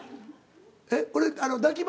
えっこれ抱き枕？